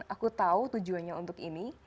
aku tahu tujuannya untuk ini